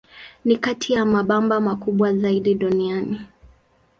Ni kati ya mabamba makubwa zaidi duniani.